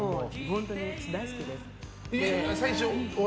本当に大好きです。